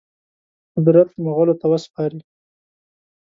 قدرت مغولو ته وسپاري.